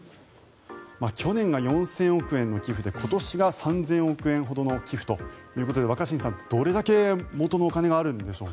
去年が４０００億円の寄付で今年が３０００億円ほどの寄付ということで、若新さんどれだけ元のお金があるんでしょう。